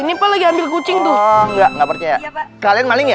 ini pak lagi ambil kucing tuh nggak percaya kalian maling ya